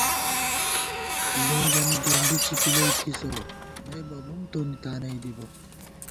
لوگَنی ڈېنڈی چپِلَئ تھِسہ نئیبہ بُم تونی تانَئی دِبہ